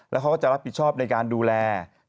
แล้วเขาก็จะรับผิดชอบในการดูแล